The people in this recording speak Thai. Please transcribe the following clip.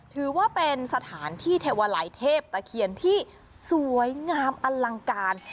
ถือว่าเป็นสถานที่เทวาลัยเทพตะเคียนที่สวยงามอลังการ